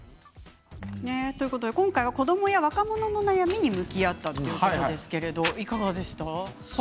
今回は子どもや若者の悩みに向き合ったということですけれど、いかがでした？